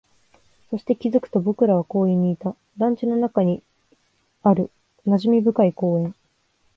そして、気づくと僕らは公園にいた、団地の中にある馴染み深い公園